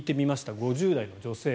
５０代の女性